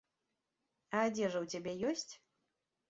А адзежа ў цябе ёсць?